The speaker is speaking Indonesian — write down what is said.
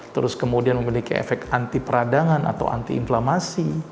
terus kemudian memiliki efek antiperadangan atau antiinflamasi